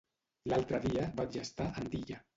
L'altre dia vaig estar a Andilla.